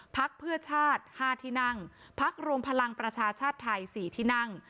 พักเพื่อชาติ๕ที่นั่งพักรวมพลังประชาชาติไทย๔ที่นั่ง